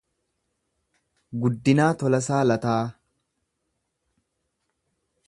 Guddinaa Tolasaa Lataa